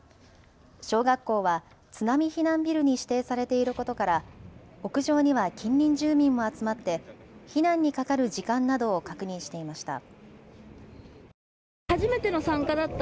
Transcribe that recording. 小学校は津波避難ビルに指定されていることから屋上には近隣住民も集まって避難にかかる時間などを確認していました。